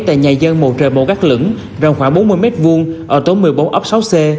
tại nhà dân mồ trời mồ gác lửng rộng khoảng bốn mươi m hai ở tố một mươi bốn ốc sáu c